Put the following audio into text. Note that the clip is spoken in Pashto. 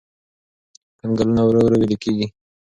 کنګلونه ورو ورو ويلي کېږي.